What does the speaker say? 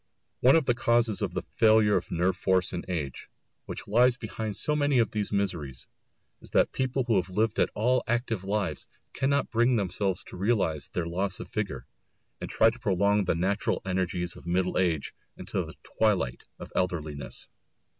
One of the causes of the failure of nerve force in age, which lies behind so much of these miseries, is that people who have lived at all active lives cannot bring themselves to realise their loss of vigour, and try to prolong the natural energies of middle age into the twilight of elderliness.